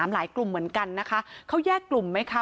หลายกลุ่มเหมือนกันนะคะเขาแยกกลุ่มไหมคะ